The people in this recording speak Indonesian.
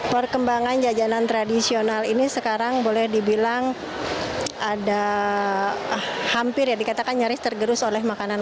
perkembangan jajanan tradisional ini sekarang boleh dibilang ada hampir ya dikatakan nyaris tergerus oleh makanan